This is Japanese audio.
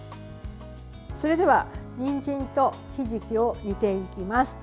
それでは、にんじんとひじきを煮ていきます。